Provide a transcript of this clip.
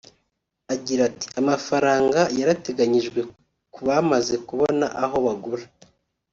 Agira ati “Amafaranga yarateganyijwe ku bamaze kubona aho bagura